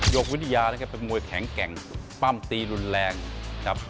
กวิทยานะครับเป็นมวยแข็งแกร่งปั้มตีรุนแรงครับ